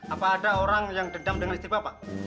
apa ada orang yang dedam dengan istri bapak